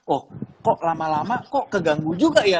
oh kok lama lama kok keganggu juga ya